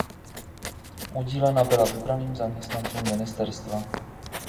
Udílena byla vybraným zaměstnancům ministerstva.